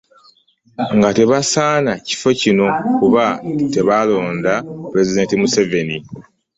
Nga tebasaana kifo kino kuba tebaalonda Pulezidenti Museveni.